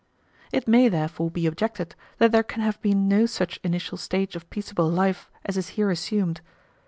It may therefore be objected that there can have been no such initial stage of peaceable life as is here assumed.